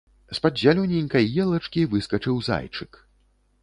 З-пад зялёненькай елачкі выскачыў зайчык.